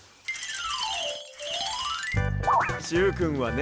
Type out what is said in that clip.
しゅうくんはね